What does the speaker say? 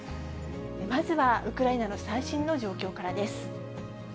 まずは、ウクライナの最新の状況からです。